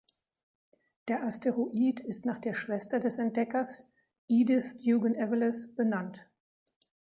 Der Asteroid ist nach der Schwester des Entdeckers, Edith Dugan Eveleth, benannt.